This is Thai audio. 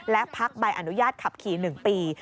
และพักใบอนุญาตขับขี่๑ปี